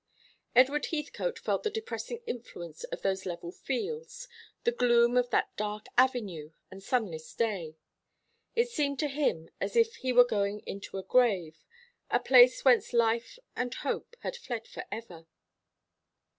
Edward Heathcote felt the depressing influence of those level fields, the gloom of that dark avenue and sunless day. It seemed to him as if he were going into a grave, a place whence life and hope had fled for ever.